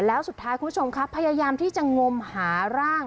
แล้วสุดท้ายคุณผู้ชมครับพยายามที่จะงมหาร่าง